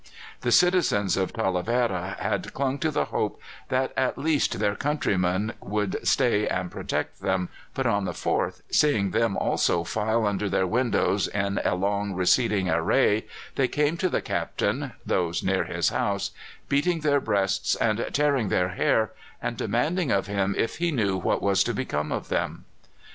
The citizens of Talavera had clung to the hope that at least their countrymen would stay and protect them; but on the 4th, seeing them also file under their windows in a long, receding array, they came to the Captain those near his house beating their breasts and tearing their hair, and demanded of him if he knew what was to become of them.